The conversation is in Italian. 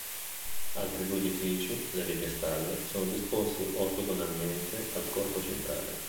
Altri due edifici, le vecchie stalle, sono disposti ortogonalmente al corpo centrale.